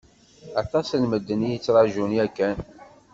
Aṭas n medden i yettrajun yakan.